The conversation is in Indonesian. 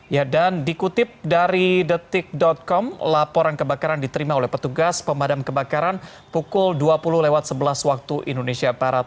ya dan dikutip dari detik com laporan kebakaran diterima oleh petugas pemadam kebakaran pukul dua puluh sebelas waktu indonesia barat